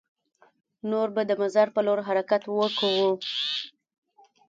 نور به د مزار په لور حرکت وکړو.